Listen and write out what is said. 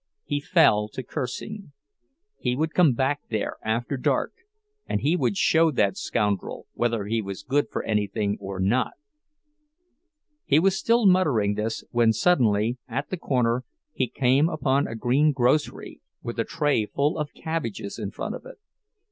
He fell to cursing. He would come back there after dark, and he would show that scoundrel whether he was good for anything or not! He was still muttering this when suddenly, at the corner, he came upon a green grocery, with a tray full of cabbages in front of it.